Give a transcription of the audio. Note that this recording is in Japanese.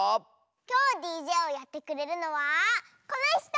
きょうＤＪをやってくれるのはこのひと！